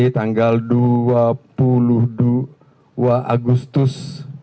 tanggal dua puluh dua agustus